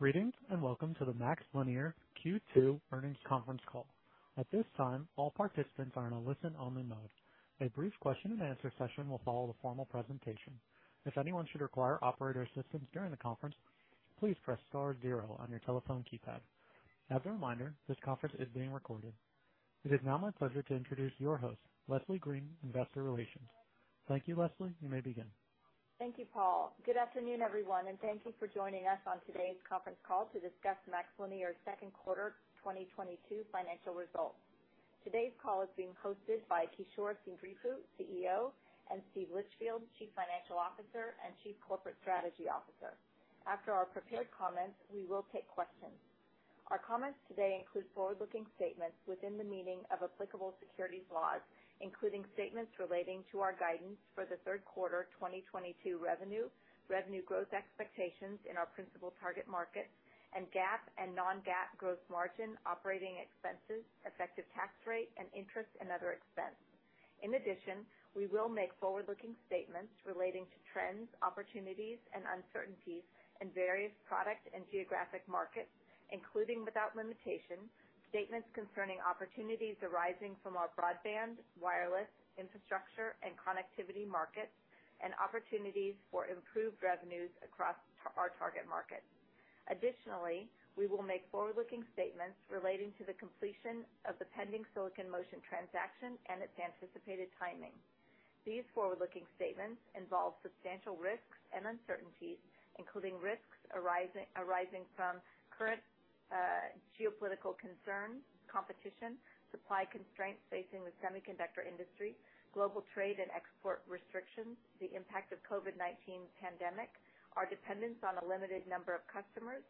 Greetings, welcome to the MaxLinear Q2 earnings conference call. At this time, all participants are on a listen-only mode. A brief question-and-answer session will follow the formal presentation. If anyone should require operator assistance during the conference, please press star zero on your telephone keypad. As a reminder, this conference is being recorded. It is now my pleasure to introduce your host, Leslie Green, Investor Relations. Thank you, Leslie. You may begin. Thank you, Paul. Good afternoon, everyone, and thank you for joining us on today's conference call to discuss MaxLinear's second quarter 2022 financial results. Today's call is being hosted by Kishore Seendripu, CEO, and Steve Litchfield, Chief Financial Officer and Chief Corporate Strategy Officer. After our prepared comments, we will take questions. Our comments today include forward-looking statements within the meaning of applicable securities laws, including statements relating to our guidance for the third quarter 2022 revenue growth expectations in our principal target markets, and GAAP and non-GAAP gross margin, operating expenses, effective tax rate, and interest and other expense. In addition, we will make forward-looking statements relating to trends, opportunities, and uncertainties in various product and geographic markets, including, without limitation, statements concerning opportunities arising from our broadband, wireless, infrastructure, and connectivity markets and opportunities for improved revenues across our target markets. Additionally, we will make forward-looking statements relating to the completion of the pending Silicon Motion transaction and its anticipated timing. These forward-looking statements involve substantial risks and uncertainties, including risks arising from current geopolitical concerns, competition, supply constraints facing the semiconductor industry, global trade and export restrictions, the impact of COVID-19 pandemic, our dependence on a limited number of customers,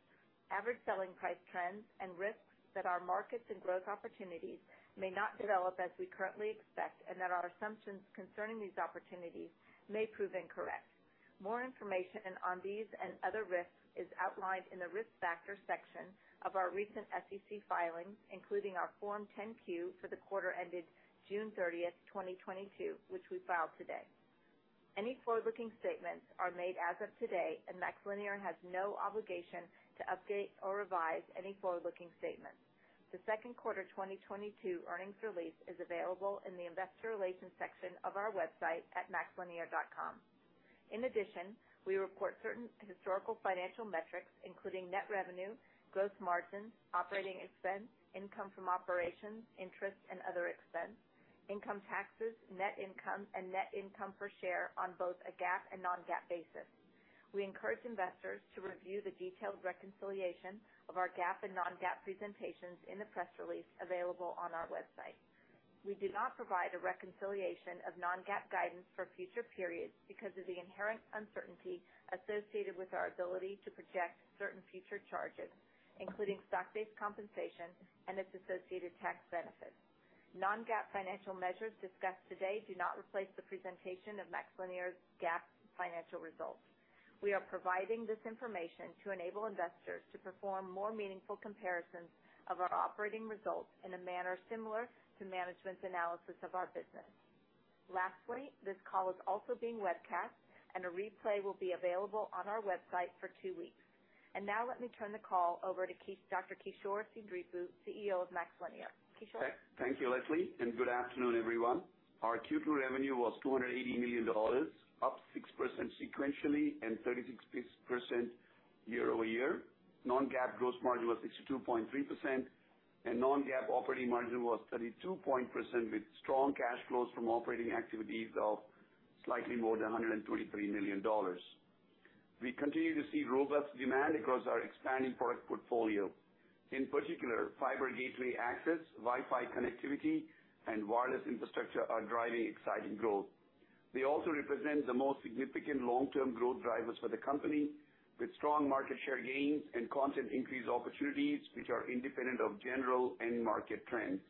average selling price trends, and risks that our markets and growth opportunities may not develop as we currently expect, and that our assumptions concerning these opportunities may prove incorrect. More information on these and other risks is outlined in the Risk Factor section of our recent SEC filings, including our Form 10-Q for the quarter ended June 30th, 2022, which we filed today. Any forward-looking statements are made as of today, and MaxLinear has no obligation to update or revise any forward-looking statements. The second quarter 2022 earnings release is available in the Investor Relations section of our website at maxlinear.com. In addition, we report certain historical financial metrics including net revenue, gross margins, operating expense, income from operations, interest and other expense, income taxes, net income, and net income per share on both a GAAP and non-GAAP basis. We encourage investors to review the detailed reconciliation of our GAAP and non-GAAP presentations in the press release available on our website. We do not provide a reconciliation of non-GAAP guidance for future periods because of the inherent uncertainty associated with our ability to project certain future charges, including stock-based compensation and its associated tax benefits. Non-GAAP financial measures discussed today do not replace the presentation of MaxLinear's GAAP financial results. We are providing this information to enable investors to perform more meaningful comparisons of our operating results in a manner similar to management's analysis of our business. Lastly, this call is also being webcast, and a replay will be available on our website for two weeks. Now let me turn the call over to Dr. Kishore Seendripu, CEO of MaxLinear. Kishore? Thank you, Leslie, and good afternoon, everyone. Our Q2 revenue was $280 million, up 6% sequentially and 36% year-over-year. Non-GAAP gross margin was 62.3%, and non-GAAP operating margin was 32% with strong cash flows from operating activities of slightly more than $123 million. We continue to see robust demand across our expanding product portfolio. In particular, fiber gateway access, Wi-Fi connectivity, and wireless infrastructure are driving exciting growth. They also represent the most significant long-term growth drivers for the company with strong market share gains and content increase opportunities which are independent of general end market trends.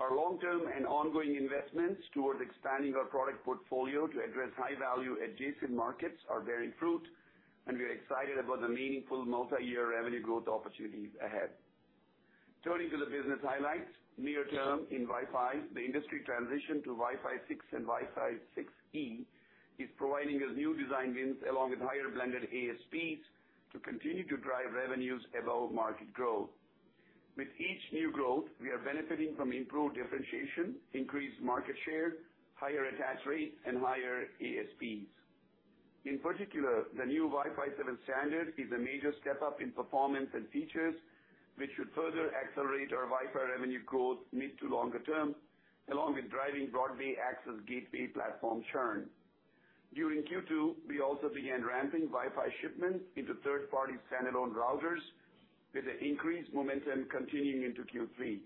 Our long-term and ongoing investments towards expanding our product portfolio to address high-value adjacent markets are bearing fruit, and we are excited about the meaningful multiyear revenue growth opportunities ahead. Turning to the business highlights, near term, in Wi-Fi, the industry transition to Wi-Fi 6 and Wi-Fi 6E is providing us new design wins along with higher blended ASPs to continue to drive revenues above market growth. With each new growth, we are benefiting from improved differentiation, increased market share, higher attach rate, and higher ASPs. In particular, the new Wi-Fi 7 standard is a major step up in performance and features, which should further accelerate our Wi-Fi revenue growth mid to longer term, along with driving broadband access gateway platform churn. During Q2, we also began ramping Wi-Fi shipments into third-party standalone routers with an increased momentum continuing into Q3.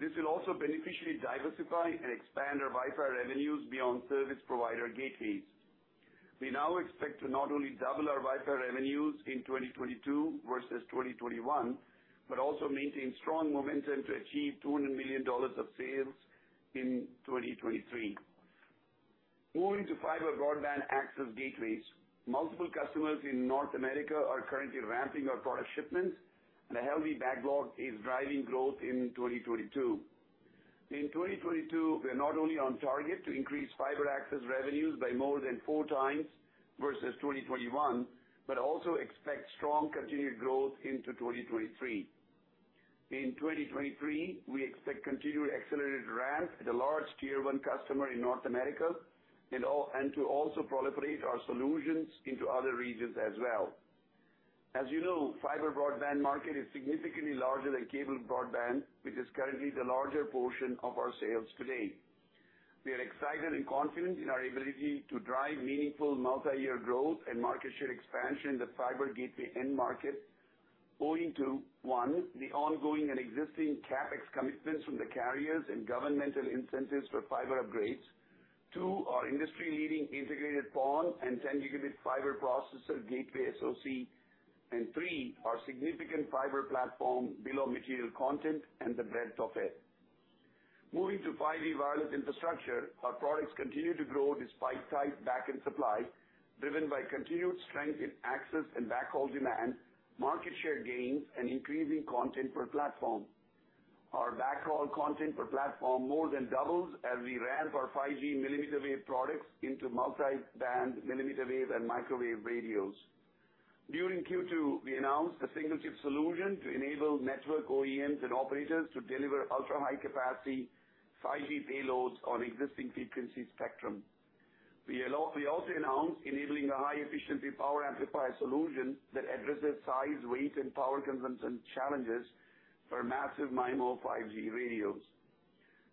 This will also beneficially diversify and expand our Wi-Fi revenues beyond service provider gateways. We now expect to not only double our Wi-Fi revenues in 2022 versus 2021, but also maintain strong momentum to achieve $200 million of sales in 2023. Moving to fiber broadband access gateways. Multiple customers in North America are currently ramping our product shipments, and a healthy backlog is driving growth in 2022. In 2022, we are not only on target to increase fiber access revenues by more than 4x versus 2021, but also expect strong continued growth into 2023. In 2023, we expect continued accelerated ramp at a large tier one customer in North America and to also proliferate our solutions into other regions as well. As you know, fiber broadband market is significantly larger than cable broadband, which is currently the larger portion of our sales today. We are excited and confident in our ability to drive meaningful multi-year growth and market share expansion in the fiber gateway end market, owing to one, the ongoing and existing CapEx commitments from the carriers and governmental incentives for fiber upgrades. Two, our industry-leading integrated PON and 10-Gb fiber processor gateway SoC. Three, our significant fiber platform bill of material content and the breadth of it. Moving to 5G wireless infrastructure, our products continue to grow despite tight back-end supply, driven by continued strength in access and backhaul demand, market share gains, and increasing content per platform. Our backhaul content per platform more than doubles as we ramp our 5G millimeter wave products into multi-band millimeter wave and microwave radios. During Q2, we announced a single chip solution to enable network OEMs and operators to deliver ultra-high capacity 5G payloads on existing frequency spectrum. We also announced enabling a high efficiency power amplifier solution that addresses size, weight, and power consumption challenges for massive MIMO 5G radios.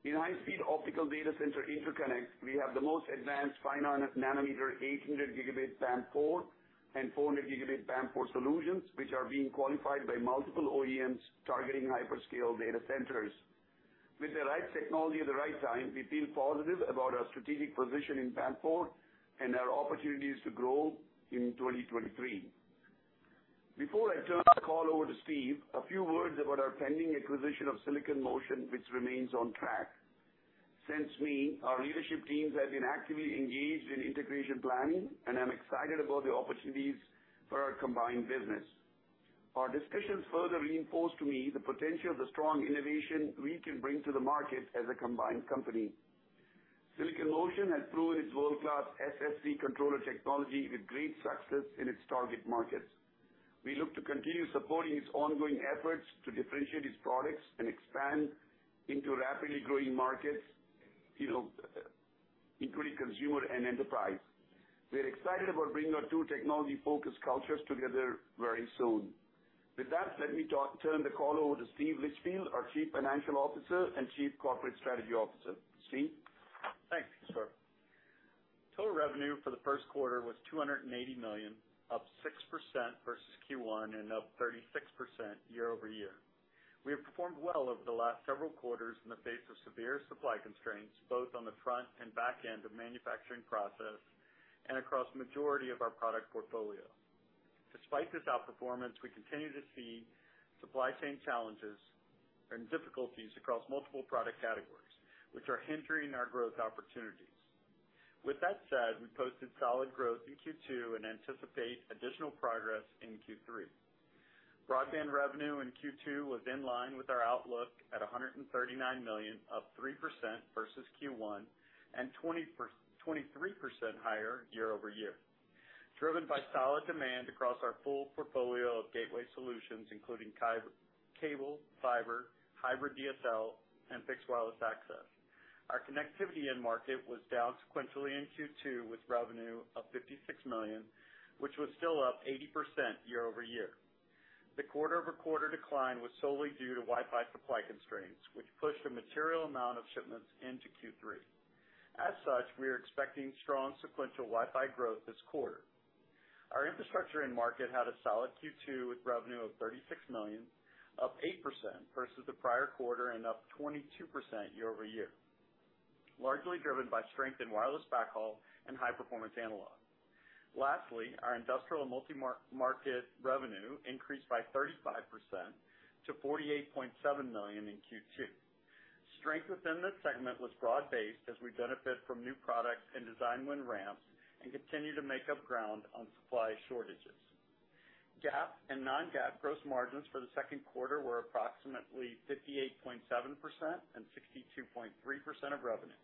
In high-speed optical data center interconnect, we have the most advanced 5-nanometer 800 Gb PAM4 and 400 Gb PAM4 solutions, which are being qualified by multiple OEMs targeting hyperscale data centers. With the right technology at the right time, we feel positive about our strategic position in PAM4 and our opportunities to grow in 2023. Before I turn the call over to Steve, a few words about our pending acquisition of Silicon Motion, which remains on track. Since then, our leadership teams have been actively engaged in integration planning, and I'm excited about the opportunities for our combined business. Our discussions further reinforced to me the potential of the strong innovation we can bring to the market as a combined company. Silicon Motion has proven its world-class SSD controller technology with great success in its target markets. We look to continue supporting its ongoing efforts to differentiate its products and expand into rapidly growing markets, you know, including consumer and enterprise. We're excited about bringing our two technology-focused cultures together very soon. With that, let me turn the call over to Steve Litchfield, our Chief Financial Officer and Chief Corporate Strategy Officer. Steve? Thanks, Kishore. Total revenue for the first quarter was $280 million, up 6% versus Q1 and up 36% year-over-year. We have performed well over the last several quarters in the face of severe supply constraints, both on the front and back end of manufacturing process and across majority of our product portfolio. Despite this outperformance, we continue to see supply chain challenges and difficulties across multiple product categories, which are hindering our growth opportunities. With that said, we posted solid growth in Q2 and anticipate additional progress in Q3. Broadband revenue in Q2 was in line with our outlook at $139 million, up 3% versus Q1, and 23% higher year-over-year, driven by solid demand across our full portfolio of gateway solutions, including cable, fiber, hybrid DSL, and fixed wireless access. Our connectivity end market was down sequentially in Q2 with revenue of $56 million, which was still up 80% year-over-year. The quarter-over-quarter decline was solely due to Wi-Fi supply constraints, which pushed a material amount of shipments into Q3. As such, we are expecting strong sequential Wi-Fi growth this quarter. Our infrastructure end market had a solid Q2 with revenue of $36 million, up 8% versus the prior quarter and up 22% year-over-year, largely driven by strength in wireless backhaul and high-performance analog. Lastly, our industrial multi-market revenue increased by 35% to $48.7 million in Q2. Strength within this segment was broad-based as we benefit from new products and design win ramps and continue to make up ground on supply shortages. GAAP and non-GAAP gross margins for the second quarter were approximately 58.7% and 62.3% of revenue.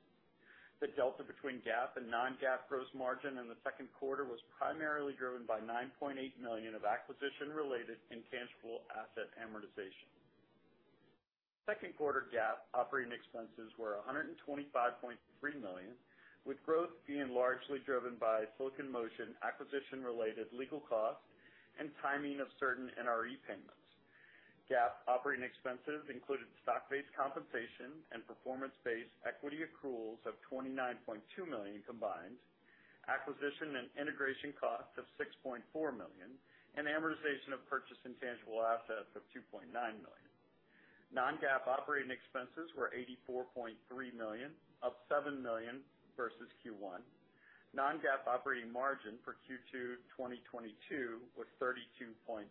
The delta between GAAP and non-GAAP gross margin in the second quarter was primarily driven by $9.8 million of acquisition-related intangible asset amortization. Second quarter GAAP operating expenses were $125.3 million, with growth being largely driven by Silicon Motion acquisition-related legal costs and timing of certain NRE payments. GAAP operating expenses included stock-based compensation and performance-based equity accruals of $29.2 million combined, acquisition and integration costs of $6.4 million, and amortization of purchased intangible assets of $2.9 million. Non-GAAP operating expenses were $84.3 million, up $7 million versus Q1. Non-GAAP operating margin for Q2 2022 was 32.2%.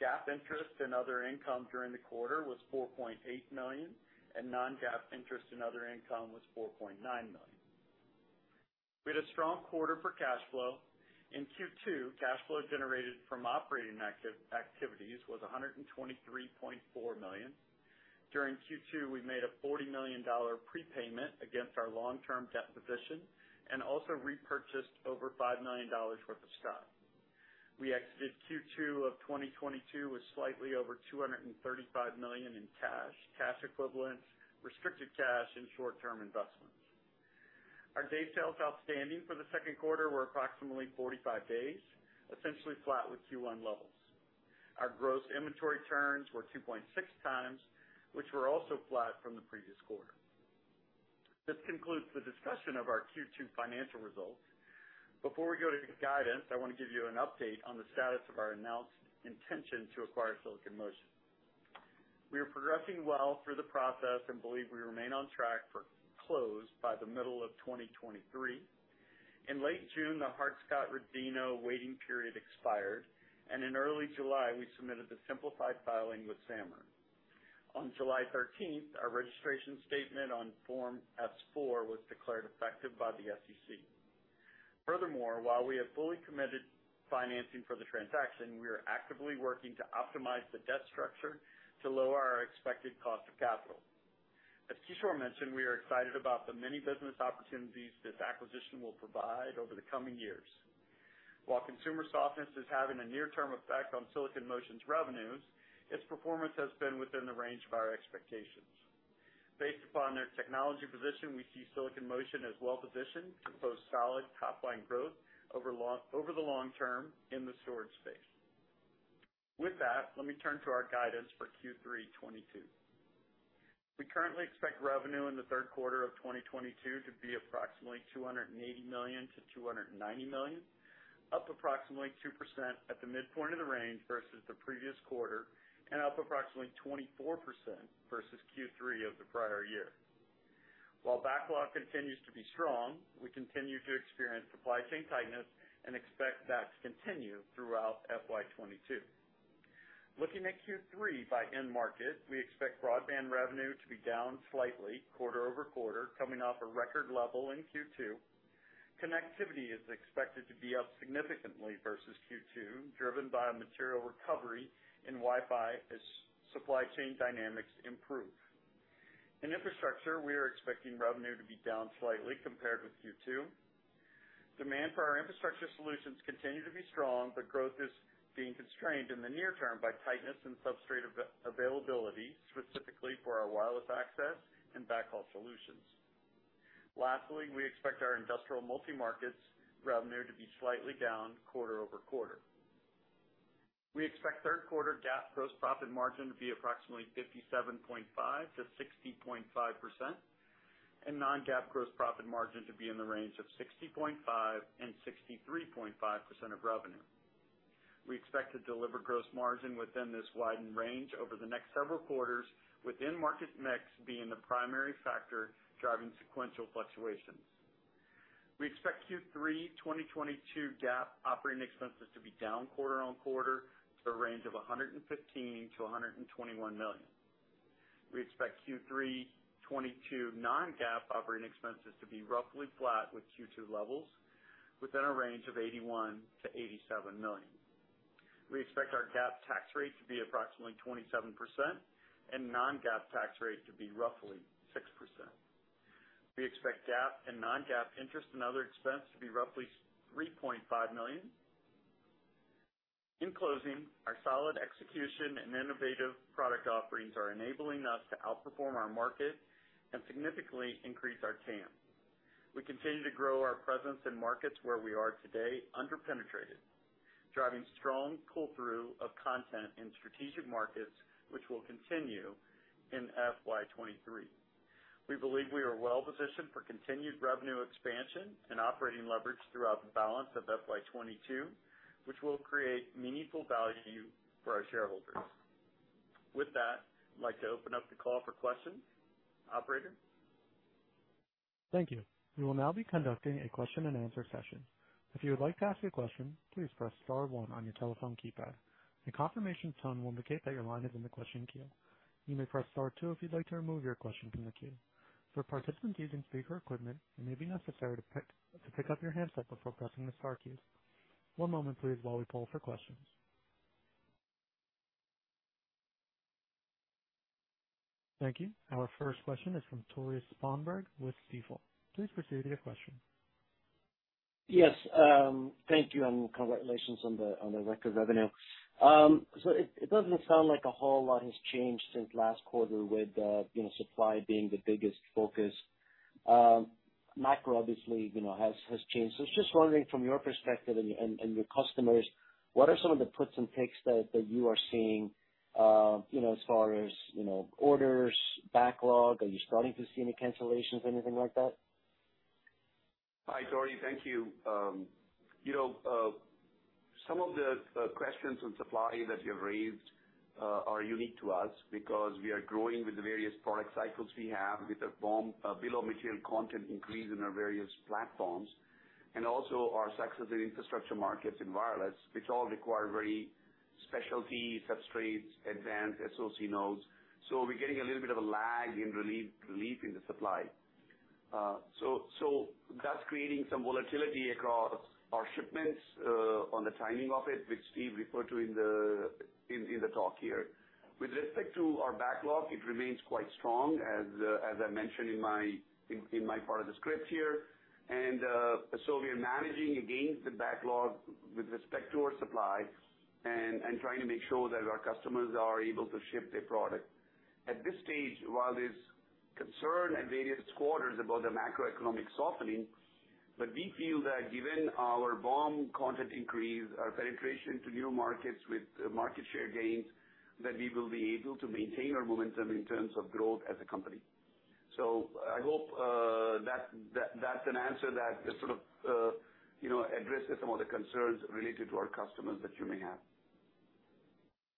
GAAP interest and other income during the quarter was $4.8 million, and non-GAAP interest and other income was $4.9 million. We had a strong quarter for cash flow. In Q2, cash flow generated from operating activities was $123.4 million. During Q2, we made a $40 million prepayment against our long-term debt position and also repurchased over $5 million worth of stock. We exited Q2 of 2022 with slightly over $235 million in cash equivalents, restricted cash, and short-term investments. Our days sales outstanding for the second quarter were approximately 45 days, essentially flat with Q1 levels. Our gross inventory turns were 2.6x, which were also flat from the previous quarter. This concludes the discussion of our Q2 financial results. Before we go to guidance, I want to give you an update on the status of our announced intention to acquire Silicon Motion. We are progressing well through the process and believe we remain on track for close by the middle of 2023. In late June, the Hart-Scott-Rodino waiting period expired, and in early July we submitted the simplified filing with SAMR. On July thirteenth, our registration statement on Form S-4 was declared effective by the SEC. Furthermore, while we have fully committed financing for the transaction, we are actively working to optimize the debt structure to lower our expected cost of capital. As Kishore mentioned, we are excited about the many business opportunities this acquisition will provide over the coming years. While consumer softness is having a near-term effect on Silicon Motion's revenues, its performance has been within the range of our expectations. Based upon their technology position, we see Silicon Motion as well-positioned to post solid top line growth over the long term in the storage space. With that, let me turn to our guidance for Q3 2022. We currently expect revenue in the third quarter of 2022 to be approximately $280 million-$290 million, up approximately 2% at the midpoint of the range versus the previous quarter and up approximately 24% versus Q3 of the prior year. While backlog continues to be strong, we continue to experience supply chain tightness and expect that to continue throughout FY 2022. Looking at Q3 by end market, we expect broadband revenue to be down slightly quarter-over-quarter, coming off a record level in Q2. Connectivity is expected to be up significantly versus Q2, driven by a material recovery in Wi-Fi as supply chain dynamics improve. In infrastructure, we are expecting revenue to be down slightly compared with Q2. Demand for our infrastructure solutions continues to be strong, but growth is being constrained in the near term by tightness in substrate availability, specifically for our wireless access and backhaul solutions. Lastly, we expect our industrial multi-markets revenue to be slightly down quarter-over-quarter. We expect third quarter GAAP gross profit margin to be approximately 57.5%-60.5% and non-GAAP gross profit margin to be in the range of 60.5%-63.5% of revenue. We expect to deliver gross margin within this widened range over the next several quarters, with end market mix being the primary factor driving sequential fluctuations. We expect Q3 2022 GAAP operating expenses to be down quarter-over-quarter to a range of $115 million-$121 million. We expect Q3 2022 non-GAAP operating expenses to be roughly flat with Q2 levels within a range of $81 million-$87 million. We expect our GAAP tax rate to be approximately 27% and non-GAAP tax rate to be roughly 6%. We expect GAAP and non-GAAP interest and other expense to be roughly $3.5 million. In closing, our solid execution and innovative product offerings are enabling us to outperform our market and significantly increase our TAM. We continue to grow our presence in markets where we are today under-penetrated, driving strong pull-through of content in strategic markets, which will continue in FY 2023. We believe we are well positioned for continued revenue expansion and operating leverage throughout the balance of FY 2022, which will create meaningful value for our shareholders. With that, I'd like to open up the call for questions. Operator? Thank you. We will now be conducting a question-and-answer session. If you would like to ask a question, please press star one on your telephone keypad. A confirmation tone will indicate that your line is in the question queue. You may press star two if you'd like to remove your question from the queue. For participants using speaker equipment, it may be necessary to pick up your handset before pressing the star keys. One moment please while we poll for questions. Thank you. Our first question is from Tore Svanberg with Stifel. Please proceed with your question. Yes, thank you, and congratulations on the record revenue. It doesn't sound like a whole lot has changed since last quarter with you know, supply being the biggest focus. Macro obviously, you know, has changed. I was just wondering from your perspective and your customers, what are some of the puts and takes that you are seeing, you know, as far as orders, backlog? Are you starting to see any cancellations, anything like that? Hi, Tore. Thank you. You know, some of the questions on supply that you've raised are unique to us because we are growing with the various product cycles we have with the BOM, bill of material content increase in our various platforms and also our success in infrastructure markets and wireless, which all require very specialty substrates, advanced SoC nodes. We're getting a little bit of a lag in relief in the supply. That's creating some volatility across our shipments on the timing of it, which Steve referred to in the talk here. With respect to our backlog, it remains quite strong, as I mentioned in my part of the script here. We are managing against the backlog with respect to our supply and trying to make sure that our customers are able to ship their product. At this stage, while there's concern at various quarters about the macroeconomic softening, but we feel that given our BOM content increase, our penetration to new markets with market share gains, that we will be able to maintain our momentum in terms of growth as a company. I hope that that's an answer that just sort of you know addresses some of the concerns related to our customers that you may have.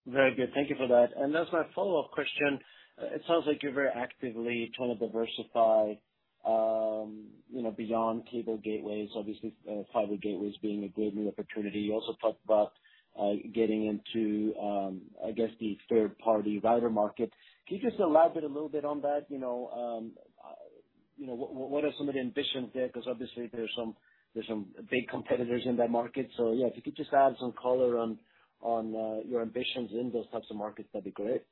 Very good. Thank you for that. As my follow-up question, it sounds like you're very actively trying to diversify, you know, beyond cable gateways, obviously, fiber gateways being a good new opportunity. You also talked about getting into, I guess, the third-party router market. Can you just elaborate a little bit on that? You know, you know, what are some of the ambitions there? 'Cause obviously there's some big competitors in that market. Yeah, if you could just add some color on your ambitions in those types of markets, that'd be great.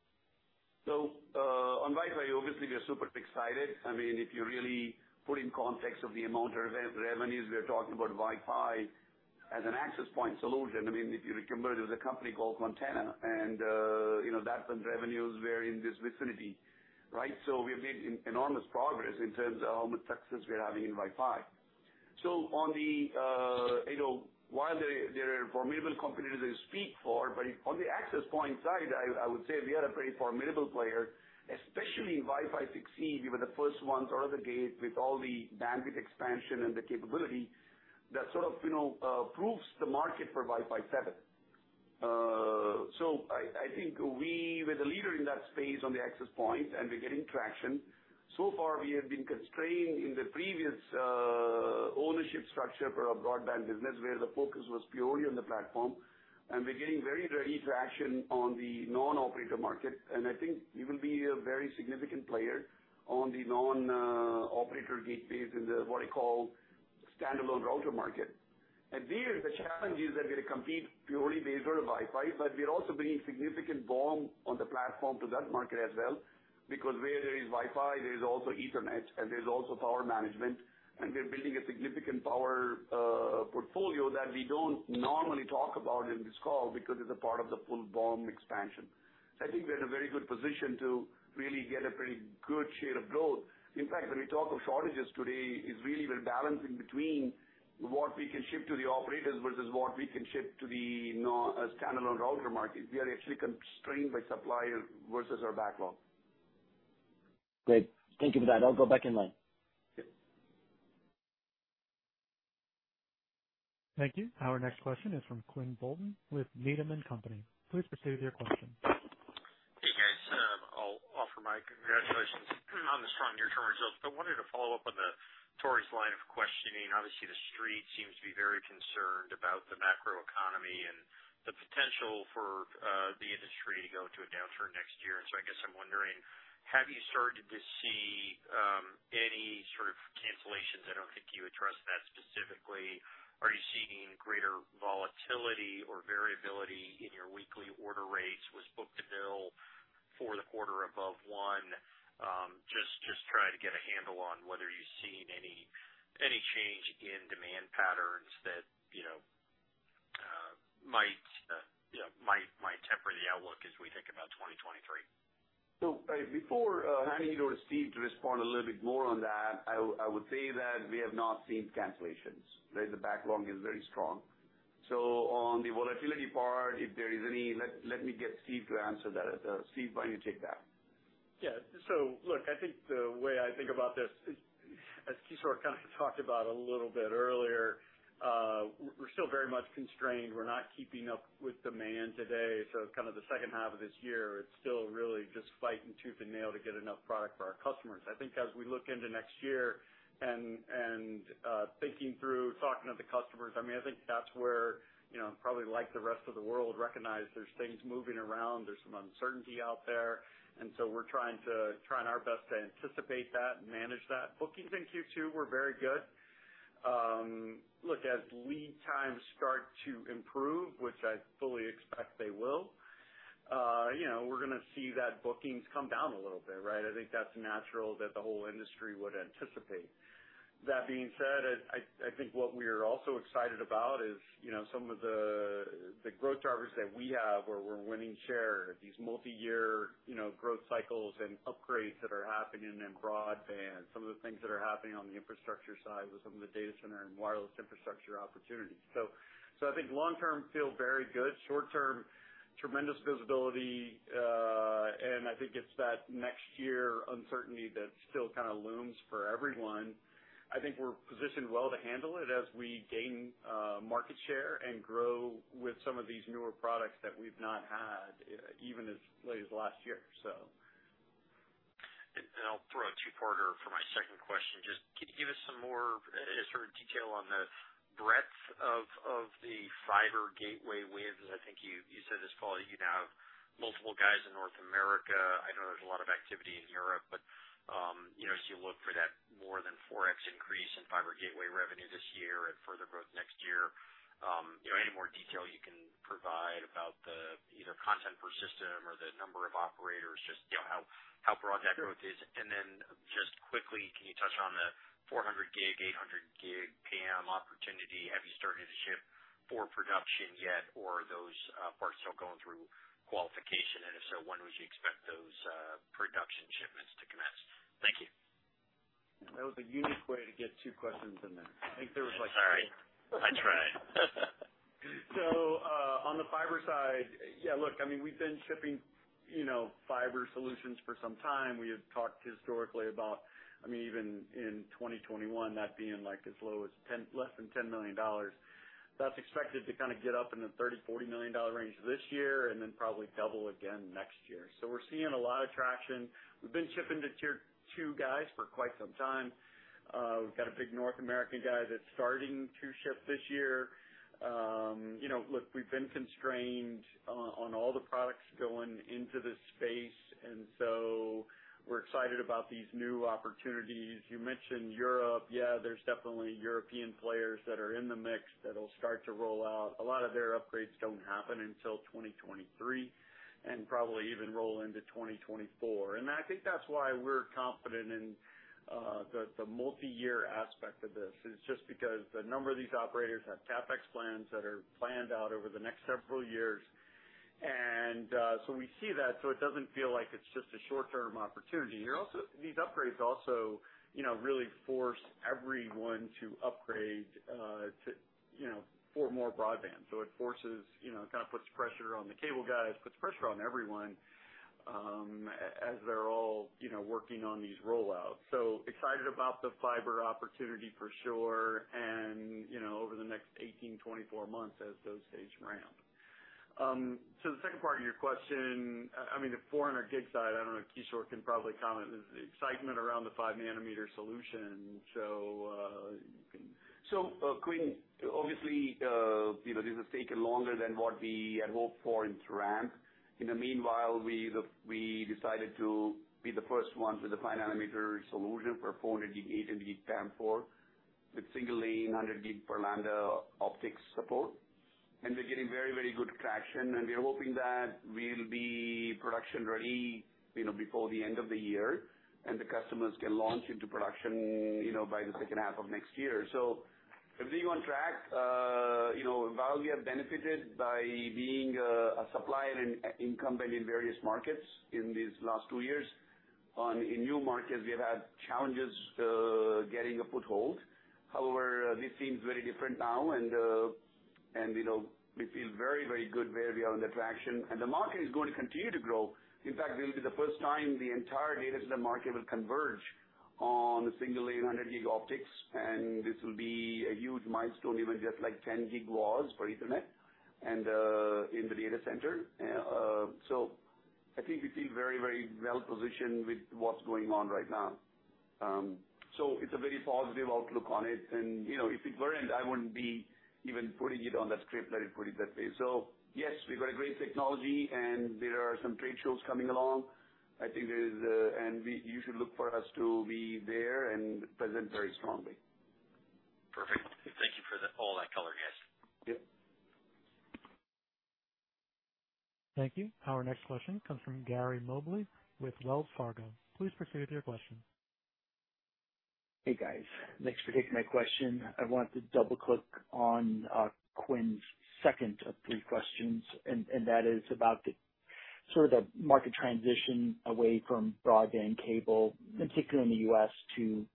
On Wi-Fi, obviously we are super excited. I mean, if you really put in context of the amount of revenues, we are talking about Wi-Fi as an access point solution. I mean, if you remember, there was a company called Quantenna and, you know, that's when revenues were in this vicinity, right? We've made enormous progress in terms of how much success we are having in Wi-Fi. On the, you know, while there are formidable competitors I speak for, but on the access point side, I would say we are a pretty formidable player, especially Wi-Fi 6E. We were the first ones out of the gate with all the bandwidth expansion and the capability that sort of, you know, proves the market for Wi-Fi 7. I think we were the leader in that space on the access point, and we're getting traction. So far, we have been constrained in the previous ownership structure for our broadband business, where the focus was purely on the platform, and we're getting very good traction on the non-operator market. I think we will be a very significant player on the non-operator gateways in what I call the standalone router market. There, the challenge is that we compete purely based on Wi-Fi, but we're also bringing significant BOM on the platform to that market as well, because where there is Wi-Fi, there's also Ethernet and there's also power management, and we're building a significant power portfolio that we don't normally talk about in this call because it's a part of the full BOM expansion. I think we're in a very good position to really get a pretty good share of growth. In fact, when we talk of shortages today, it's really we're balancing between what we can ship to the operators versus what we can ship to the non-standalone router market. We are actually constrained by supply versus our backlog. Great. Thank you for that. I'll go back in line. Yep. Thank you. Our next question is from Quinn Bolton with Needham & Company. Please proceed with your question. Hey, guys. I'll offer my congratulations on the strong near-term results. I wanted to follow up on Tore's line of questioning. Obviously, the Street seems to be very concerned about the macroeconomy and the potential for the industry to go into a downturn next year. I guess I'm wondering, have you started to see any sort of cancellations? I don't think you addressed that specifically. Are you seeing greater volatility or variability in your weekly order rates? Was book-to-bill for the quarter above one? Just trying to get a handle on whether you're seeing any change in demand patterns that, you know, might temper the outlook as we think about 2023. Before handing it over to Steve to respond a little bit more on that, I would say that we have not seen cancellations, right? The backlog is very strong. On the volatility part, if there is any, let me get Steve to answer that. Steve, why don't you take that? Yeah. Look, I think the way I think about this, as Kishore kind of talked about a little bit earlier, we're still very much constrained. We're not keeping up with demand today. Kind of the second half of this year, it's still really just fighting tooth and nail to get enough product for our customers. I think as we look into next year and thinking through talking to the customers, I mean, I think that's where, you know, probably like the rest of the world recognize there's things moving around, there's some uncertainty out there, and so we're trying our best to anticipate that and manage that. Bookings in Q2 were very good. Look, as lead times start to improve, which I fully expect they will, you know, we're gonna see that bookings come down a little bit, right? I think that's natural that the whole industry would anticipate. That being said, I think what we're also excited about is, you know, some of the growth drivers that we have where we're winning share, these multiyear, you know, growth cycles and upgrades that are happening in broadband, some of the things that are happening on the infrastructure side with some of the data center and wireless infrastructure opportunities. I think long term feel very good. Short term, tremendous visibility, and I think it's that next year uncertainty that still kinda looms for everyone. I think we're positioned well to handle it as we gain market share and grow with some of these newer products that we've not had even as late as last year. So. Throw a two-parter for my second question. Just can you give us some more sort of detail on the breadth of the fiber gateway wave? I think you said this fall you now have multiple guys in North America. I know there's a lot of activity in Europe, but you know, as you look for that more than 4x increase in fiber gateway revenue this year and further growth next year, you know, any more detail you can provide about the either content per system or the number of operators, just you know, how broad that growth is. Just quickly, can you touch on the 400 Gb, 800 Gb PAM opportunity? Have you started to ship for production yet or are those parts still going through qualification? If so, when would you expect those, production shipments to commence? Thank you. That was a unique way to get two questions in there. I think there was like. Sorry. I tried. On the fiber side, yeah, look, I mean, we've been shipping, you know, fiber solutions for some time. We had talked historically about, I mean, even in 2021, that being like as low as less than $10 million. That's expected to kinda get up in the $30 million-$40 million range this year and then probably double again next year. We're seeing a lot of traction. We've been shipping to tier two guys for quite some time. We've got a big North American guy that's starting to ship this year. You know, look, we've been constrained on all the products going into this space, and so we're excited about these new opportunities. You mentioned Europe. Yeah, there's definitely European players that are in the mix that'll start to roll out. A lot of their upgrades don't happen until 2023 and probably even roll into 2024. I think that's why we're confident in the multiyear aspect of this is just because a number of these operators have CapEx plans that are planned out over the next several years. We see that, so it doesn't feel like it's just a short-term opportunity. These upgrades also, you know, really force everyone to upgrade to, you know, for more broadband. It forces, you know, kinda puts pressure on the cable guys, puts pressure on everyone, as they're all, you know, working on these rollouts. Excited about the fiber opportunity for sure, and, you know, over the next 18 months-24 months as those phase ramp. The second part of your question, I mean, the 400 Gb side, I don't know, Kishore can probably comment. There's excitement around the 5 nanometer solution. You can- Quinn, obviously, you know, this has taken longer than what we had hoped for in ramp. In the meanwhile, we decided to be the first ones with the 5 nanometer solution for 400 Gb, 800 GbPAM4 with single 800 Gb per lambda optics support. We're getting very, very good traction, and we are hoping that we'll be production ready, you know, before the end of the year, and the customers can launch into production, you know, by the second half of next year. We're being on track. You know, while we have benefited by being a supplier and incumbent in various markets in these last two years, and in new markets we have had challenges getting a foothold. However, this seems very different now and you know, we feel very, very good where we are on the traction. The market is going to continue to grow. In fact, this will be the first time the entire data center market will converge on single 800 Gb optics, and this will be a huge milestone, even just like 10 Gb was for Ethernet and in the data center. I think we feel very, very well positioned with what's going on right now. It's a very positive outlook on it. You know, if it weren't, I wouldn't be even putting it on the script that I put it that way. Yes, we've got a great technology and there are some trade shows coming along. You should look for us to be there and present very strongly. Perfect. Thank you for all that color, guys. Yep. Thank you. Our next question comes from Gary Mobley with Wells Fargo. Please proceed with your question. Hey, guys. Thanks for taking my question. I wanted to double click on Quinn's second of three questions, and that is about the sort of the market transition away from broadband cable, particularly in the U.S. to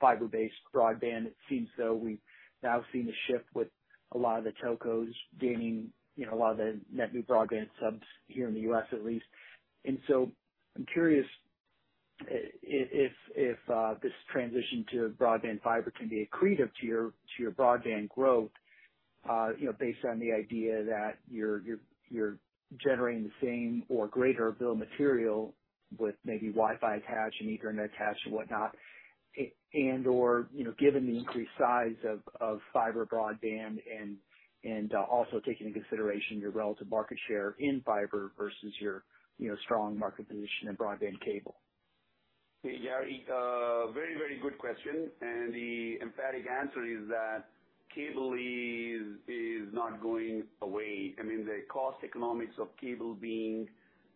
fiber-based broadband. It seems though we've now seen a shift with a lot of the telcos gaining, you know, a lot of the net new broadband subs here in the U.S. at least. I'm curious if this transition to broadband fiber can be accretive to your broadband growth, you know, based on the idea that you're generating the same or greater bill material with maybe Wi-Fi attached and Ethernet attached and whatnot, and/or, you know, given the increased size of fiber broadband and also taking into consideration your relative market share in fiber versus your, you know, strong market position in broadband cable. Hey, Gary, very good question. The emphatic answer is that cable is not going away. I mean, the cost economics of cable being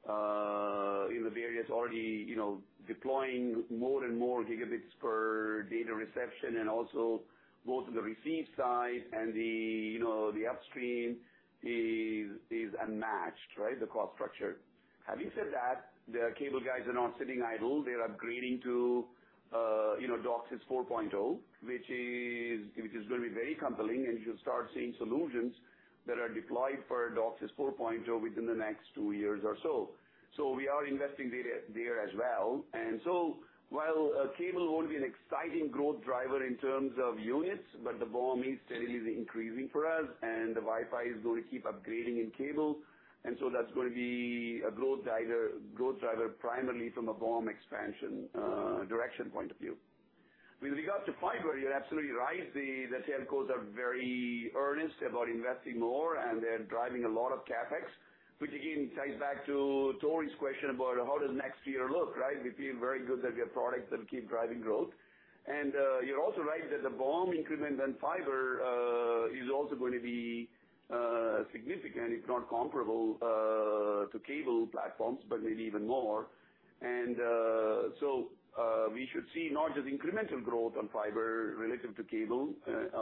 in the various already, you know, deploying more and more gigabits per data reception and also both on the receive side and you know, the upstream is unmatched, right? The cost structure. Having said that, the cable guys are not sitting idle. They're upgrading to you know, DOCSIS 4.0, which is gonna be very compelling, and you'll start seeing solutions that are deployed for DOCSIS 4.0 within the next two years or so. We are investing there as well. While cable won't be an exciting growth driver in terms of units, but the BOM is steadily increasing for us and the Wi-Fi is going to keep upgrading in cable. That's going to be a growth driver primarily from a BOM expansion, direction point of view. With regards to fiber, you're absolutely right. The telcos are very earnest about investing more, and they're driving a lot of CapEx, which again ties back to Tore's question about how does next year look, right? We feel very good that we have products that will keep driving growth. You're also right that the BOM increment on fiber is also going to be significant. It's not comparable to cable platforms, but maybe even more. We should see not just incremental growth on fiber relative to cable,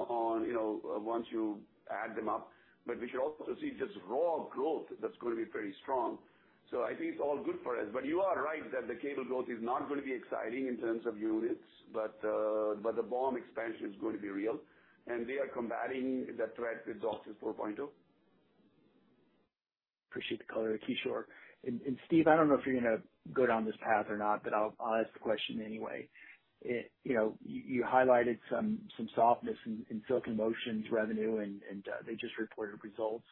on, you know, once you add them up, but we should also see just raw growth that's gonna be pretty strong. I think it's all good for us. You are right that the cable growth is not gonna be exciting in terms of units, but the BOM expansion is going to be real, and we are combating the threat with DOCSIS 4.0. Appreciate the color, Kishore. Steve, I don't know if you're gonna go down this path or not, but I'll ask the question anyway. You know, you highlighted some softness in Silicon Motion's revenue and they just reported results,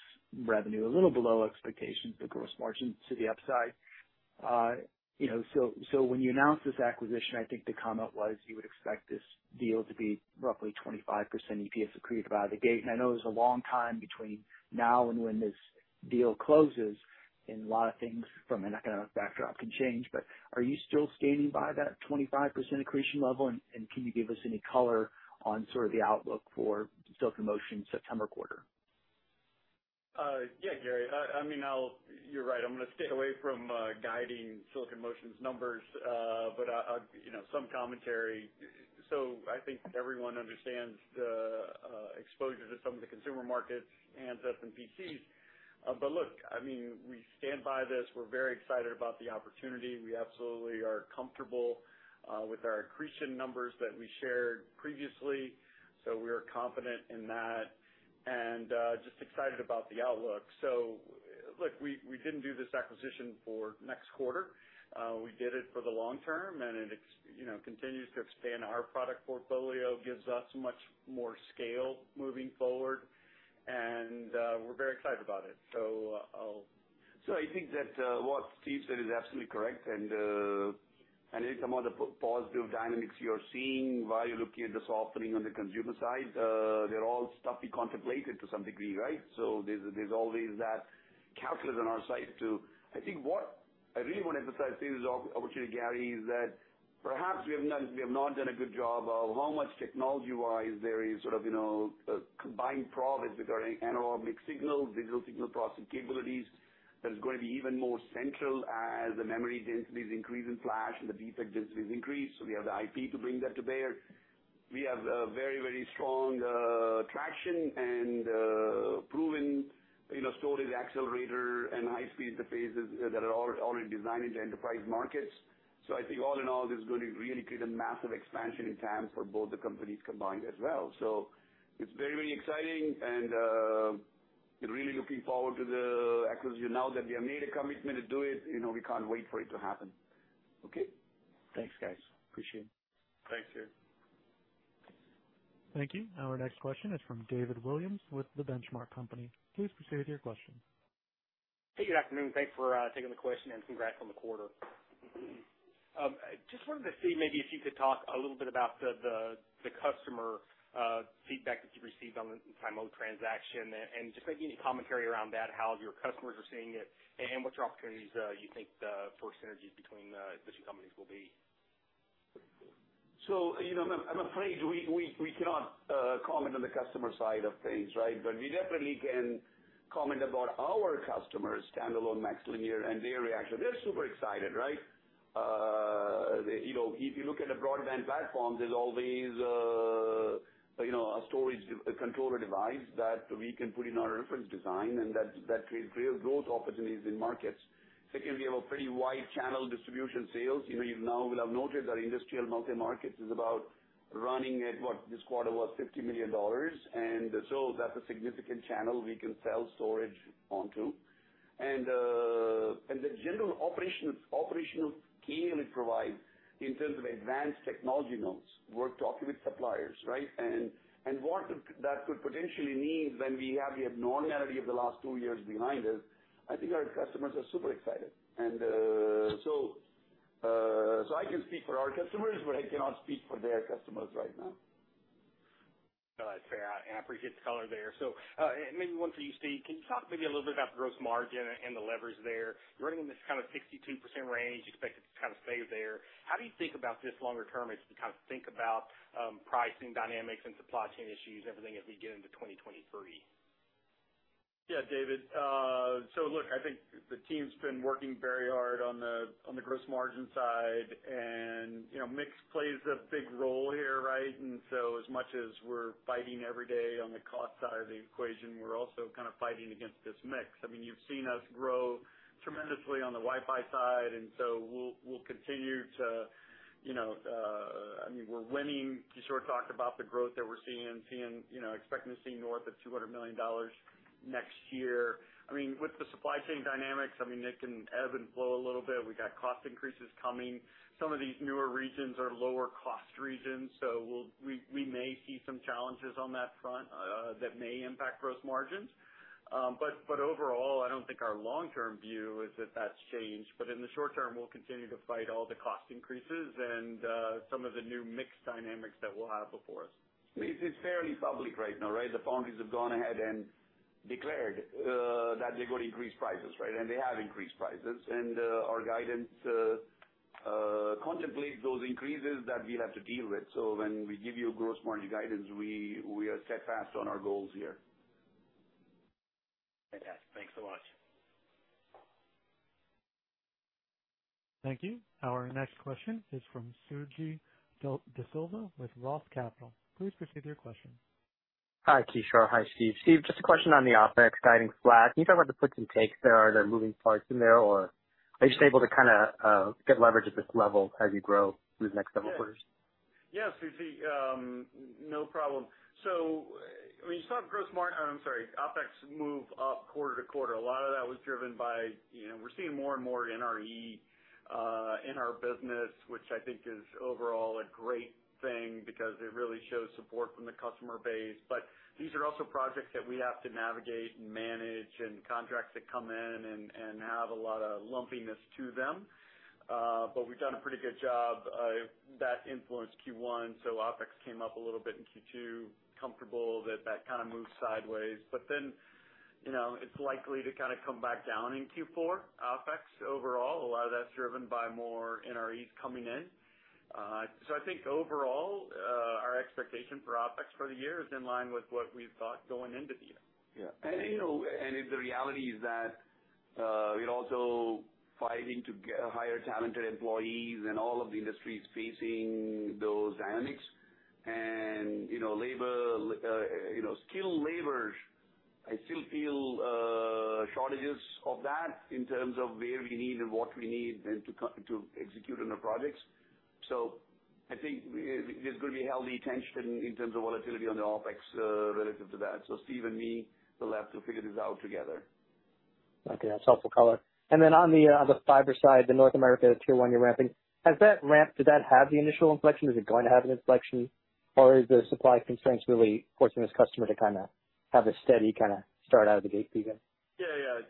revenue a little below expectations, the gross margin to the upside. You know, so when you announced this acquisition, I think the comment was you would expect this deal to be roughly 25% EPS accretive out of the gate. I know there's a long time between now and when this deal closes, and a lot of things from an economic backdrop can change, but are you still standing by that 25% accretion level and can you give us any color on sort of the outlook for Silicon Motion's September quarter? Yeah, Gary. I mean, I'll. You're right. I'm gonna stay away from guiding Silicon Motion's numbers. I'll, you know, some commentary. I think everyone understands the exposure to some of the consumer markets and SSDs and PCs. Look, I mean, we stand by this. We're very excited about the opportunity. We absolutely are comfortable with our accretion numbers that we shared previously, so we are confident in that. Just excited about the outlook. Look, we didn't do this acquisition for next quarter. We did it for the long term, and it you know, continues to expand our product portfolio, gives us much more scale moving forward, and we're very excited about it. I think that what Steve said is absolutely correct, and some of the positive dynamics you're seeing while you're looking at the softening on the consumer side, they're all stuff we contemplated to some degree, right? There's always that calculus on our side, too. I think what I really want to emphasize too is opportunity, Gary, is that perhaps we have not done a good job of how much technology-wise there is sort of, you know, combined products with our analog mixed-signal, digital signal processing capabilities that is gonna be even more central as the memory densities increase in flash and the DSP densities increase. We have the IP to bring that to bear. We have very strong traction and proven, you know, storage accelerator and high-speed interfaces that are already designed into enterprise markets. I think all in all, this is going to really create a massive expansion in TAM for both the companies combined as well. It's very exciting and really looking forward to the acquisition. Now that we have made a commitment to do it, you know, we can't wait for it to happen. Okay? Thanks, guys. Appreciate it. Thanks, Gary. Thank you. Our next question is from David Williams with The Benchmark Company. Please proceed with your question. Hey, good afternoon. Thanks for taking the question, and congrats on the quarter. Just wanted to see maybe if you could talk a little bit about the customer feedback that you received on the SIMO transaction and just maybe any commentary around that, how your customers are seeing it, and what your opportunities you think for synergies between the two companies will be? You know, I'm afraid we cannot comment on the customer side of things, right? We definitely can comment about our customers, standalone MaxLinear, and their reaction. They're super excited, right? You know, if you look at the broadband platform, there's always a storage controller device that we can put in our reference design and that creates growth opportunities in markets. Secondly, we have a pretty wide channel distribution sales. You know, you now will have noted that industrial multi-markets is about running at this quarter $50 million. The general operational capability provides in terms of advanced technology nodes. We're talking with suppliers, right? that could potentially mean when we have the abnormality of the last two years behind us, I think our customers are super excited. I can speak for our customers, but I cannot speak for their customers right now. No, that's fair, and I appreciate the color there. Maybe one for you, Steve. Can you talk maybe a little bit about the gross margin and the levers there? You're running in this kind of 62% range. You expect it to kind of stay there. How do you think about this longer term as you kind of think about pricing dynamics and supply chain issues and everything as we get into 2023? Yeah, David. So look, I think the team's been working very hard on the gross margin side, and you know, mix plays a big role here, right? As much as we're fighting every day on the cost side of the equation, we're also kind of fighting against this mix. I mean, you've seen us grow tremendously on the Wi-Fi side, and so we'll continue to you know. I mean, we're winning. Kishore talked about the growth that we're seeing, you know, expecting to see north of $200 million next year. I mean, with the supply chain dynamics, I mean, it can ebb and flow a little bit. We got cost increases coming. Some of these newer regions are lower cost regions, so we may see some challenges on that front that may impact gross margins. Overall, I don't think our long-term view is that that's changed. In the short term, we'll continue to fight all the cost increases and some of the new mix dynamics that we'll have before us. It's fairly public right now, right? The foundries have gone ahead and declared that they're gonna increase prices, right? They have increased prices. Our guidance contemplates those increases that we have to deal with. When we give you gross margin guidance, we are steadfast on our goals here. Fantastic. Thanks so much. Thank you. Our next question is from Suji DeSilva with ROTH Capital Markets. Please proceed with your question. Hi, Kishore. Hi, Steve. Steve, just a question on the OpEx guidance flat. Can you talk about the puts and takes there or the moving parts in there? Or are you just able to kinda get leverage at this level as you grow through the next several quarters? Yeah. Yeah, Suji, no problem. When you saw OpEx move up quarter to quarter, a lot of that was driven by, you know, we're seeing more and more NRE in our business, which I think is overall a great thing because it really shows support from the customer base. But these are also projects that we have to navigate and manage and contracts that come in and have a lot of lumpiness to them. But we've done a pretty good job. That influenced Q1, so OpEx came up a little bit in Q2. Comfortable that that kinda moves sideways. But then, you know, it's likely to kinda come back down in Q4, OpEx overall. A lot of that's driven by more NREs coming in. I think overall, our expectation for OpEx for the year is in line with what we thought going into the year. Yeah. You know, the reality is that we're also fighting to hire talented employees and all of the industry is facing those dynamics. You know, labor, you know, skilled labor. I still feel shortages of that in terms of where we need and what we need to execute on the projects. I think there's gonna be a healthy tension in terms of volatility on the OpEx relative to that. Steve and me will have to figure this out together. Okay. That's helpful color. Then on the fiber side, the North America Tier 1 you're ramping, does that ramp have the initial inflection? Is it going to have an inflection or is the supply constraints really forcing this customer to kinda have a steady kinda start out of the gate season? Yeah.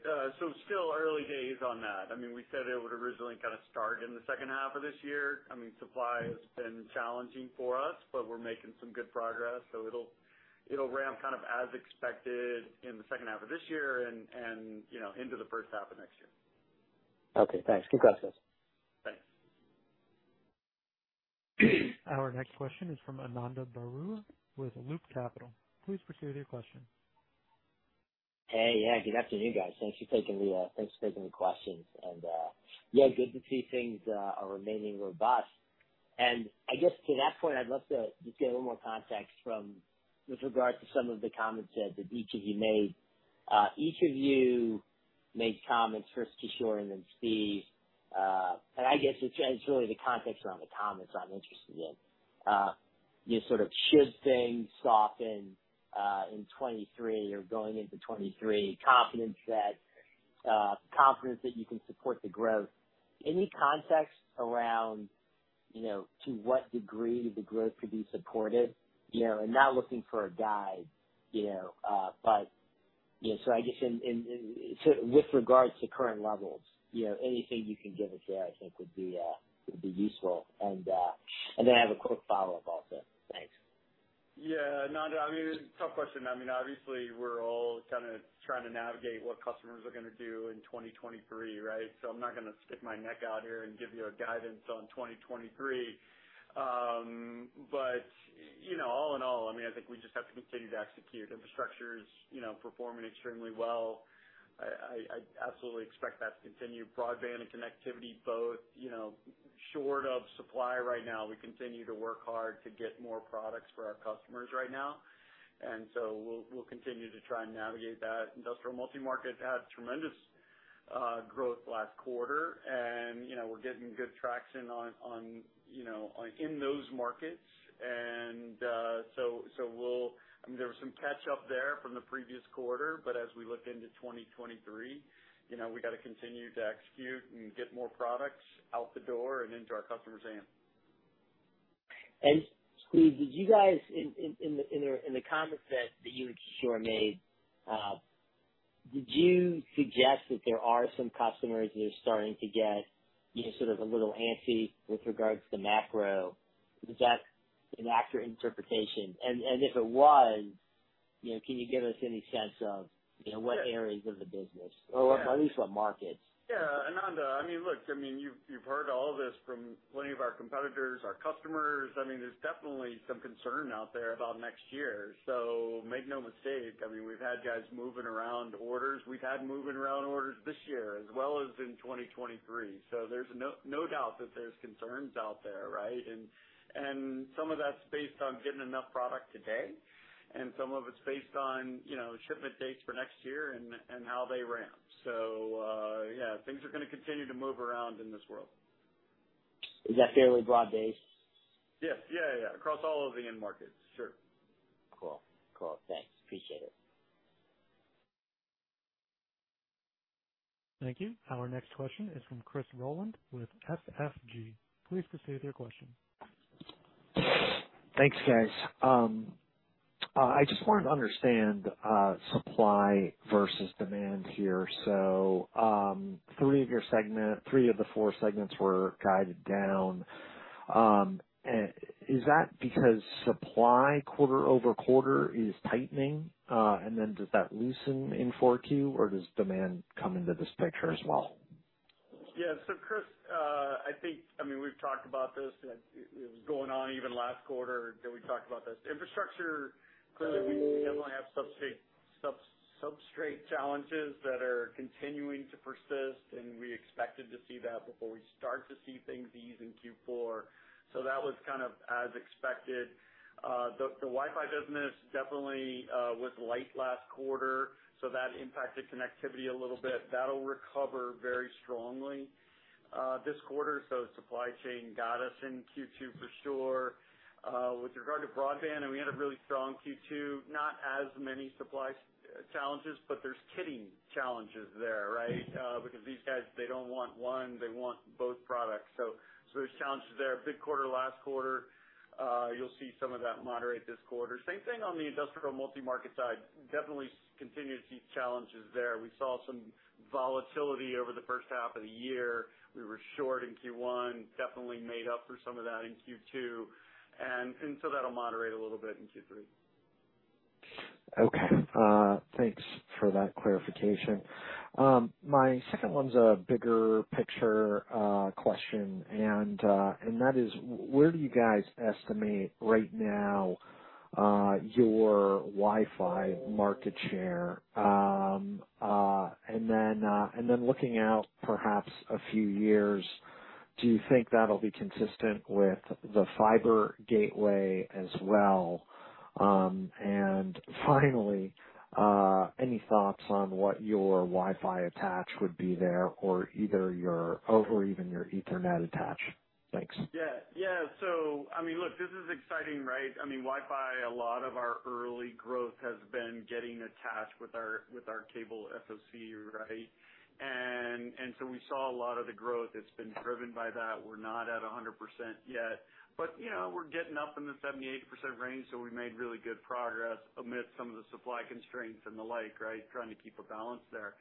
Still early days on that. I mean, we said it would originally kinda start in the second half of this year. I mean, supply has been challenging for us, but we're making some good progress, so it'll ramp kind of as expected in the second half of this year and, you know, into the first half of next year. Okay. Thanks. Good process. Thanks. Our next question is from Ananda Baruah with Loop Capital. Please proceed with your question. Hey. Yeah, good afternoon, guys. Thanks for taking the questions. Yeah, good to see things are remaining robust. I guess to that point, I'd love to just get a little more context with regards to some of the comments that each of you made. Each of you made comments, first Kishore and then Steve, and I guess it's really the context around the comments I'm interested in. You sort of should things soften in 2023 or going into 2023, confidence that you can support the growth. Any context around, you know, to what degree the growth could be supported? You know, and not looking for a guide, you know, but. Yeah, with regards to current levels, you know, anything you can give us there I think would be useful. I have a quick follow-up also. Thanks. Yeah. Ananda, I mean, tough question. I mean, obviously we're all kinda trying to navigate what customers are gonna do in 2023, right? I'm not gonna stick my neck out here and give you a guidance on 2023. You know, all in all, I mean, I think we just have to continue to execute. Infrastructure is, you know, performing extremely well. I absolutely expect that to continue. Broadband and connectivity both, you know, short of supply right now. We continue to work hard to get more products for our customers right now. We'll continue to try and navigate that. Industrial multimarket had tremendous growth last quarter and, you know, we're getting good traction in those markets. So we'll. I mean, there was some catch up there from the previous quarter, but as we look into 2023, you know, we gotta continue to execute and get more products out the door and into our customers' hands. Steve, did you guys in the comments that you and Kishore made, did you suggest that there are some customers that are starting to get, you know, sort of a little antsy with regards to macro? Is that an accurate interpretation? If it was, you know, can you give us any sense of, you know, what areas of the business or what, at least what markets? Yeah. Ananda, I mean, look, I mean, you've heard all this from plenty of our competitors, our customers. I mean, there's definitely some concern out there about next year. Make no mistake, I mean, we've had guys moving around orders this year as well as in 2023. There's no doubt that there's concerns out there, right? Some of that's based on getting enough product today, and some of it's based on, you know, shipment dates for next year and how they ramp. Yeah, things are gonna continue to move around in this world. Is that fairly broad-based? Yes. Yeah. Across all of the end markets. Sure. Cool. Thanks. Appreciate it. Thank you. Our next question is from Chris Rolland with SFG. Please proceed with your question. Thanks, guys. I just wanted to understand supply versus demand here. Three of the four segments were guided down. Is that because supply quarter-over-quarter is tightening, and then does that loosen in 4Q or does demand come into this picture as well? Yeah. Chris, I think, I mean, we've talked about this. It was going on even last quarter that we talked about this. Infrastructure, clearly we definitely have substrate challenges that are continuing to persist, and we expected to see that before we start to see things ease in Q4. That was kind of as expected. The Wi-Fi business definitely was light last quarter, so that impacted connectivity a little bit. That'll recover very strongly this quarter. Supply chain got us in Q2 for sure. With regard to broadband, we had a really strong Q2, not as many supply challenges, but there's kitting challenges there, right? Because these guys, they don't want one, they want both products. There's challenges there. Big quarter last quarter. You'll see some of that moderate this quarter. Same thing on the industrial multi-market side. Definitely continue to see challenges there. We saw some volatility over the first half of the year. We were short in Q1, definitely made up for some of that in Q2. So that'll moderate a little bit in Q3. Okay. Thanks for that clarification. My second one's a bigger picture question and that is where do you guys estimate right now your Wi-Fi market share? And then looking out perhaps a few years, do you think that'll be consistent with the fiber gateway as well? And finally, any thoughts on what your Wi-Fi attach would be there or either your or even your Ethernet attach? Thanks. Yeah. I mean, look, this is exciting, right? I mean Wi-Fi, a lot of our early growth has been getting attached with our cable SoC, right? We saw a lot of the growth that's been driven by that. We're not at 100% yet, but you know, we're getting up in the 70%-80% range, so we made really good progress amid some of the supply constraints and the like, right? Trying to keep a balance there.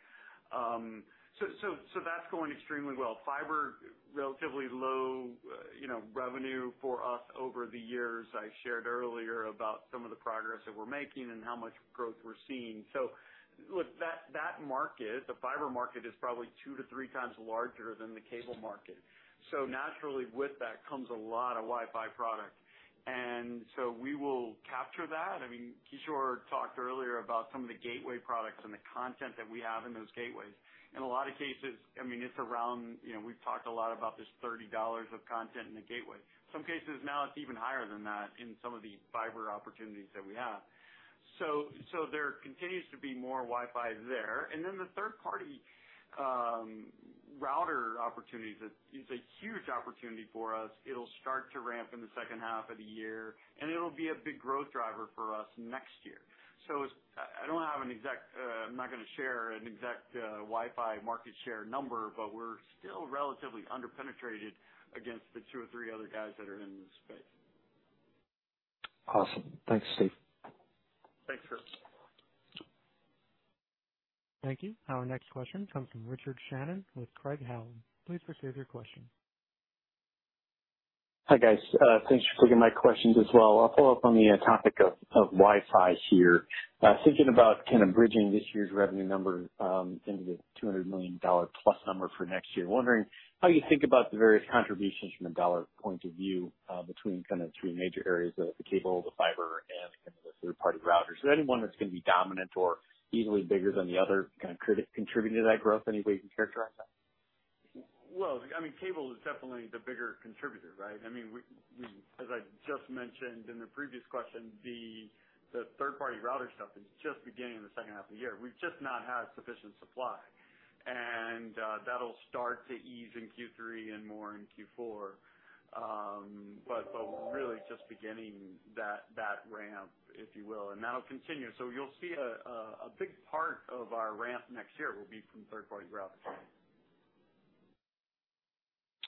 That's going extremely well. Fiber, relatively low, you know, revenue for us over the years. I shared earlier about some of the progress that we're making and how much growth we're seeing. Look, that market, the fiber market, is probably 2x-3x larger than the cable market. Naturally with that comes a lot of Wi-Fi product. We will capture that. I mean, Kishore talked earlier about some of the gateway products and the content that we have in those gateways. In a lot of cases, I mean, it's around, you know, we've talked a lot about this $30 of content in the gateway. Some cases now it's even higher than that in some of the fiber opportunities that we have. There continues to be more Wi-Fi there. Then the third party router opportunities is a huge opportunity for us. It'll start to ramp in the second half of the year, and it'll be a big growth driver for us next year. I don't have an exact. I'm not gonna share an exact Wi-Fi market share number, but we're still relatively under-penetrated against the two or three other guys that are in the space. Awesome. Thanks, Steve. Thanks, Chris. Thank you. Our next question comes from Richard Shannon with Craig-Hallum. Please proceed with your question. Hi, guys. Thanks for taking my questions as well. I'll follow up on the topic of Wi-Fi here. Thinking about kind of bridging this year's revenue number into the $200 million+ number for next year. Wondering how you think about the various contributions from a dollar point of view between kind of the three major areas, the cable, the fiber, and kind of the third party routers. Is there any one that's gonna be dominant or easily bigger than the other kind of contribute to that growth any way you can characterize that? Well, I mean cable is definitely the bigger contributor, right? I mean, we as I just mentioned in the previous question, the third party router stuff is just beginning in the second half of the year. We've just not had sufficient supply. That'll start to ease in Q3 and more in Q4. But we're really just beginning that ramp, if you will, and that'll continue. You'll see a big part of our ramp next year will be from third party routing.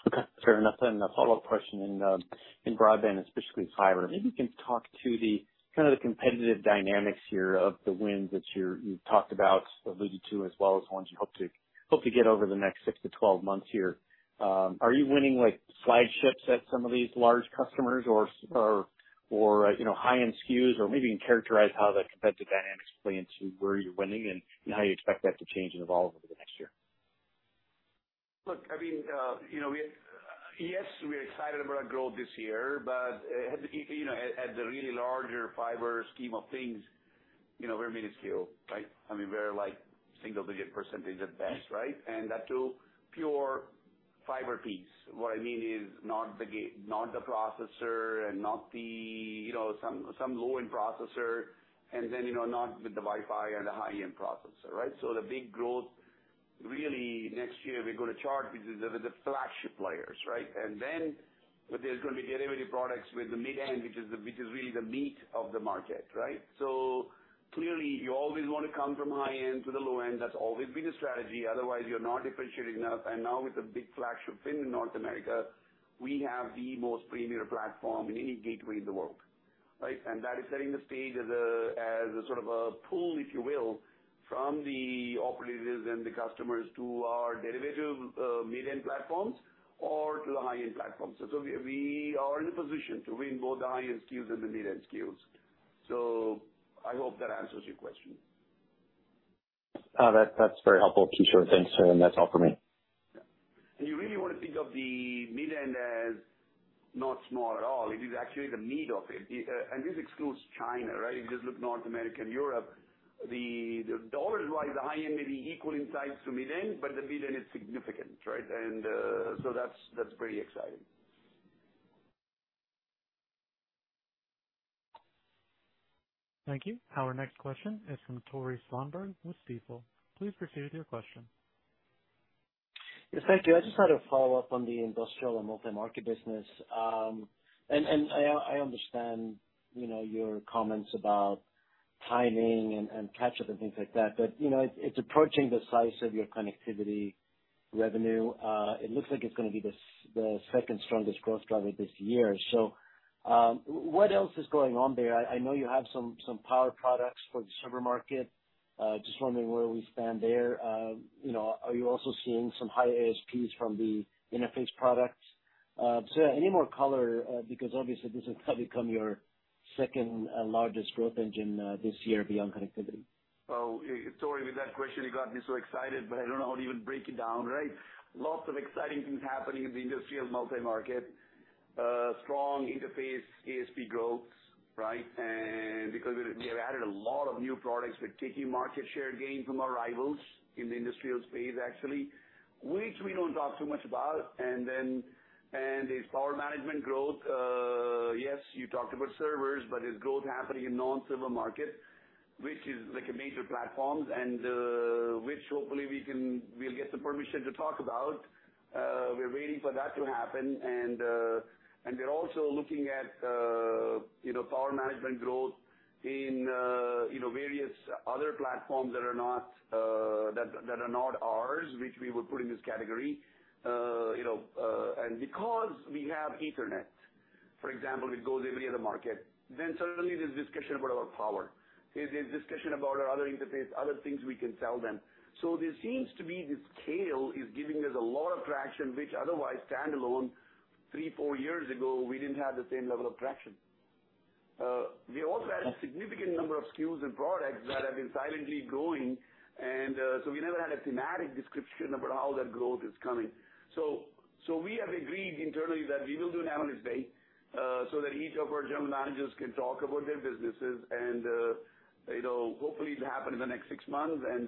Okay, fair enough. A follow-up question in broadband, especially fiber. Maybe you can talk to the kind of the competitive dynamics here of the wins that you've talked about, alluded to, as well as ones you hope to get over the next six to 12 months here. Are you winning like slide shifts at some of these large customers or, you know, high-end SKUs or maybe you can characterize how the competitive dynamics play into where you're winning and how you expect that to change and evolve over the next year. Look, I mean, you know, yes, we are excited about our growth this year, but you know, at the really larger fiber scheme of things, you know, we're minuscule, right? I mean, we're like single-digit percentage at best, right? And that too, pure fiber piece. What I mean is not the processor and not the, you know, some low-end processor and then, you know, not with the Wi-Fi and the high-end processor, right? So the big growth really next year we're gonna chart with the flagship players, right? Then There's gonna be derivative products with the mid-end, which is really the meat of the market, right? Clearly, you always wanna come from high end to the low end. That's always been the strategy. Otherwise, you're not differentiating enough. Now with a big flagship win in North America, we have the most premier platform in any gateway in the world, right? That is setting the stage as a sort of a pull, if you will, from the operators and the customers to our derivative, mid-end platforms or to the high-end platforms. We are in a position to win both the high-end SKUs and the mid-end SKUs. I hope that answers your question. That's very helpful, Kishore. Thanks. That's all for me. Yeah. You really wanna think of the mid-end as not small at all. It is actually the meat of it. This excludes China, right? If you just look at North America and Europe, the dollars-wise, the high end may be equal in size to mid-end, but the mid-end is significant, right? That's pretty exciting. Thank you. Our next question is from Tore Svanberg with Stifel. Please proceed with your question. Yes, thank you. I just had a follow-up on the industrial and multi-market business. I understand, you know, your comments about timing and catch-up and things like that, but, you know, it's approaching the size of your connectivity revenue. It looks like it's gonna be the second strongest growth driver this year. What else is going on there? I know you have some power products for the server market. Just wondering where we stand there. You know, are you also seeing some high ASPs from the interface products? Any more color, because obviously this has now become your second largest growth engine this year beyond connectivity. Tore, with that question, you got me so excited, but I don't know how to even break it down, right? Lots of exciting things happening in the industrial multi-market. Strong interface ASP growth, right? Because we have added a lot of new products, we're taking market share gain from our rivals in the industrial space, actually, which we don't talk too much about. There's power management growth. Yes, you talked about servers, but there's growth happening in non-server market, which is like a major platforms and which hopefully we'll get the permission to talk about. We're waiting for that to happen. We're also looking at, you know, power management growth in, you know, various other platforms that are not ours, which we would put in this category. You know, because we have Ethernet, for example, it goes every other market, then suddenly there's discussion about our power. There's a discussion about our other interface, other things we can sell them. So there seems to be this scale is giving us a lot of traction, which otherwise standalone three years, four years ago, we didn't have the same level of traction. We also have significant number of SKUs and products that have been silently growing, and so we never had a thematic description about how that growth is coming. So we have agreed internally that we will do an Analyst Day, so that each of our general managers can talk about their businesses and, you know, hopefully it'll happen in the next six months and,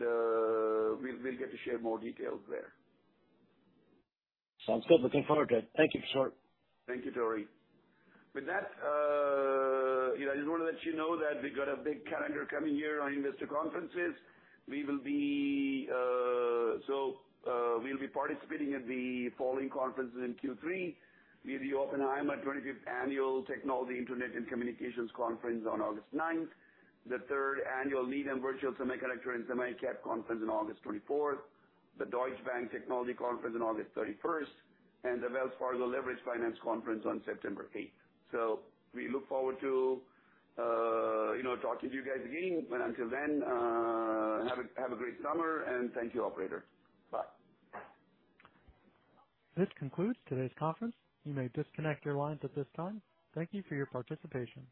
we'll get to share more details there. Sounds good. Looking forward to it. Thank you, Kishore. Thank you, Tore. With that, you know, I just wanna let you know that we've got a big calendar coming here on investor conferences. We'll be participating at the following conferences in Q3: we have the Oppenheimer 25th Annual Technology, Internet, and Communications Conference on August 9th, the Third Annual Needham Virtual Semiconductor and SemiCap Conference on August 24th, the Deutsche Bank Technology Conference on August 31st, and the Wells Fargo Leveraged Finance Conference on September 8th. We look forward to, you know, talking to you guys again. Until then, have a great summer and thank you, operator. Bye. This concludes today's conference. You may disconnect your lines at this time. Thank you for your participation.